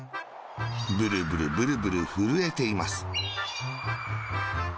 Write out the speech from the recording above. ブルブル、ブルブル、ふるえています。